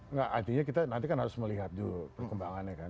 enggak artinya kita nanti kan harus melihat dulu perkembangannya kan